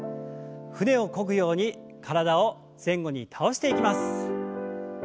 船をこぐように体を前後に倒していきます。